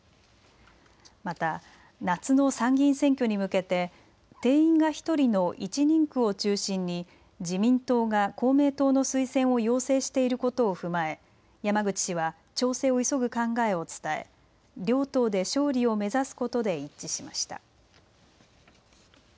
また夏の参議院選挙に向けて定員が１人の１人区を中心に自民党が公明党の推薦を要請していることを踏まえ山口氏は調整を急ぐ考えを伝え両党で勝利を目指すことで一致しました。